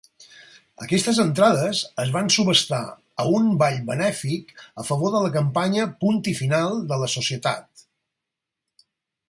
Aquestes entrades es van subhastar a un ball benèfic a favor de la campanya "Punt i final" de la societat.